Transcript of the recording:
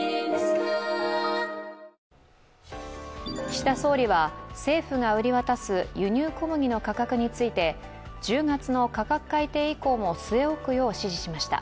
岸田総理は，政府が売り渡す輸入小麦の価格について、１０月の価格改定以降も据え置くよう指示しました。